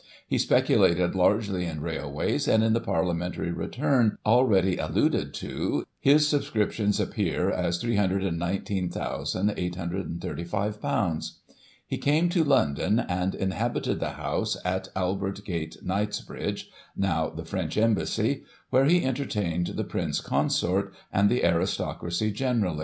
He speculated largely in railways, and, in the Parliamentary return, already alluded to, his subscrip tions appear as ;£^3 19,835. He came to London, and inhabited the house at Albert Gate, Knightsbridge (now the French Embassy), where he entertained the Prince Consort, and the aristocracy generally.